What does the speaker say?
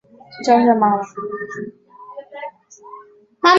天启元年辛酉乡试举人。